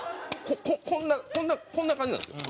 こんなこんな感じなんですよ。